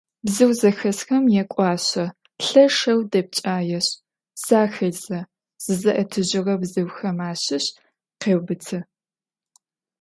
Bzıu zexesxem yak'uaşse, lheşşeu depç'aêşs, zaxêdze, zızı'etıjığe bzıuxem aşış khêubıtı.